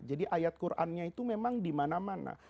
jadi ayat qurannya itu memang dimana mana